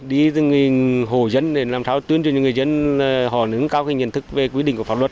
đi từng hồ dân để làm sao tuyên truyền cho người dân họ nâng cao nhận thức về quy định của pháp luật